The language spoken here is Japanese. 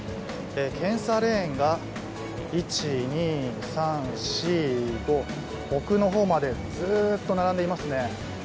検査レーンが１、２、３、４、５奥のほうまでずっと並んでいますね。